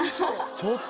ちょっと。